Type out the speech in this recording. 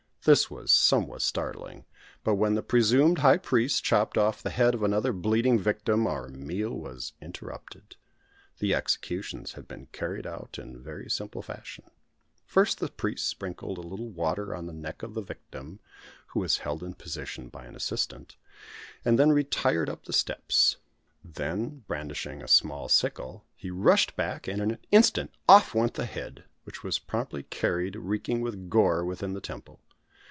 This was somewhat startling, but when the (presumed) high priest chopped off the head of another bleating victim, our meal was interrupted. The executions had been carried out in very simple fashion. First, the priest sprinkled a little water on the neck of the victim (who was held in position by an assistant), and then retired up the steps. Then, brandishing a small sickle, he rushed back, and in an instant off went the head, which was promptly carried, reeking with gore, within the temple.